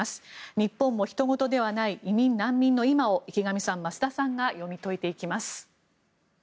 日本もひと事ではない移民・難民の今を池上さん、増田さんが読み解いていきます。